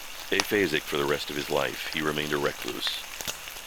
Aphasic for the rest of his life, he remained a recluse.